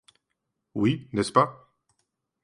Oui, n'est-ce pas !